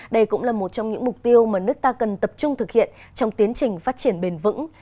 đây cũng là một trong những mục tiêu mà nước ta cần tập trung thực hiện trong tiến trình phát triển bền vững